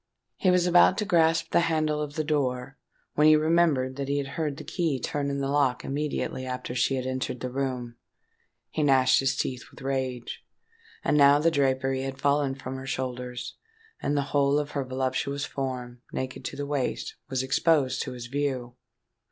He was about to grasp the handle of the door, when he remembered that he had heard the key turn in the lock immediately after she had entered the room. He gnashed his teeth with rage. And now the drapery had fallen from her shoulders, and the whole of her voluptuous form, naked to the waist, was exposed to his view.